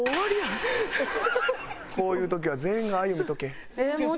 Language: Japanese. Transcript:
こういう時は全員があゆ見とけ。